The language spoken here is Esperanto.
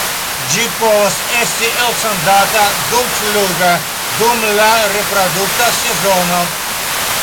Ĝi povas esti elsendata dumfluge dum la reprodukta sezono.